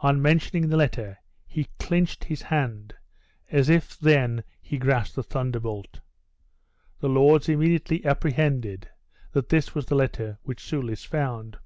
On mentioning the letter, he clinched his hand, as if then he grasped the thunderbolt. The lords immediately apprehended that this was the letter which Soulis found.